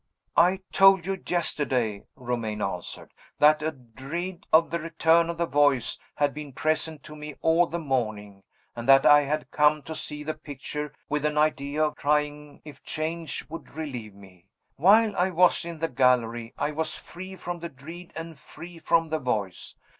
"I told you yesterday," Romayne answered, "that a dread of the return of the voice had been present to me all the morning, and that I had come to see the picture with an idea of trying if change would relieve me. While I was in the gallery I was free from the dread, and free from the voice.